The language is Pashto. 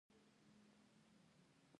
د سنجد ګل ډیر خوشبويه وي.